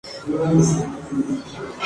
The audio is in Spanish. Vogue la ha llamado una top model.